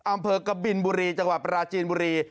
อำเภอกบิลบุรีจังหวะประราชินบุรี